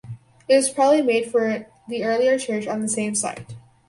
It was probably made for the earlier church on the same site.